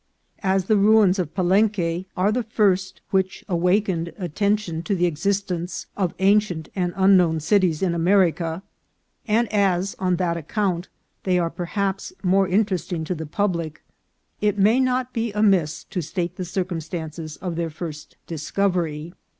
As the ruins of Palenque are the first which awakened attention to the existence of ancient and unknown cities in America, and as, on that account, they are perhaps more interesting to the public, it may not be amiss to state the circumstances of their first discovery.